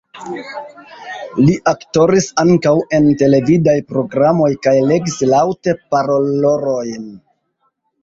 Li aktoris ankaŭ en televidaj programoj kaj legis laŭte parolrolojn.